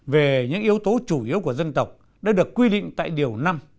về những yếu tố chủ yếu của dân tộc đã được quy định tại điều năm